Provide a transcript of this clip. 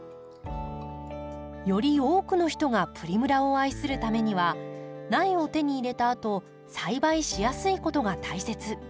より多くの人がプリムラを愛するためには苗を手に入れたあと栽培しやすいことが大切。